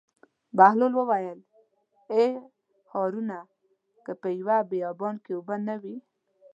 بهلول وویل: ای هارونه که په یوه بیابان کې اوبه نه وي.